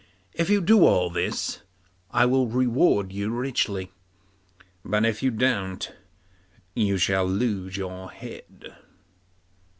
If you do all this, I will reward you richly; but if you don't, you shall lose your head.